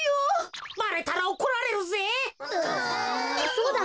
そうだ！